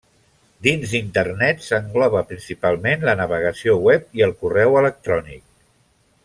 Dins d'Internet s'engloba principalment la navegació web i el correu electrònic.